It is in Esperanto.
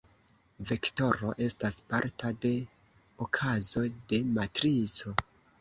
Vektoro estas parta de okazo de matrico.